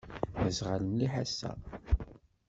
D aẓɣal mliḥ ass-a.